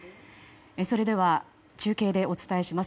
それでは中継でお伝えします。